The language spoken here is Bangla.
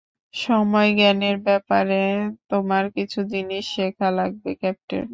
সময়জ্ঞানের ব্যাপারে তোমার কিছু জিনিস শেখা লাগবে, ক্যাপ্টেন।